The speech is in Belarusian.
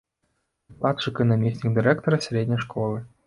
Выкладчык і намеснік дырэктара сярэдняй школы.